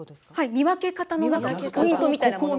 見分け方の中のポイントみたいなものが。